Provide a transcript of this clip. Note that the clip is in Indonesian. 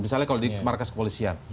misalnya kalau di markas kepolisian